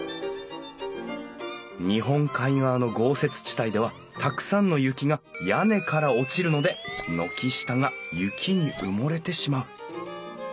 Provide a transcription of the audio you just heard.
日本海側の豪雪地帯ではたくさんの雪が屋根から落ちるので軒下が雪に埋もれてしまう。